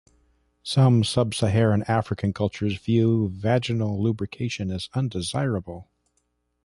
Some sub-Saharan African cultures view vaginal lubrication as undesirable.